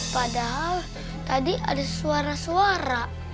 padahal tadi ada suara suara